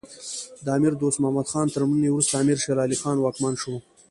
د امیر دوست محمد خان تر مړینې وروسته امیر شیر علی خان واکمن شو.